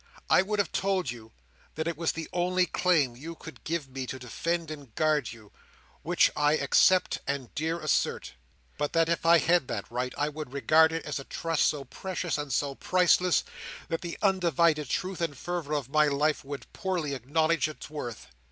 I would have told you that it was the only claim that you could give me to defend and guard you, which I dare accept and dare assert; but that if I had that right, I would regard it as a trust so precious and so priceless, that the undivided truth and fervour of my life would poorly acknowledge its worth."